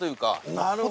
なるほど。